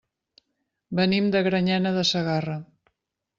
Venim de Granyena de Segarra.